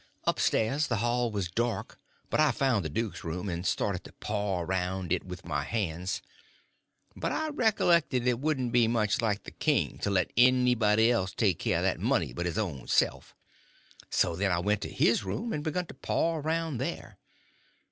Upstairs the hall was dark, but I found the duke's room, and started to paw around it with my hands; but I recollected it wouldn't be much like the king to let anybody else take care of that money but his own self; so then I went to his room and begun to paw around there.